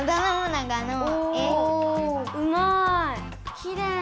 うまい。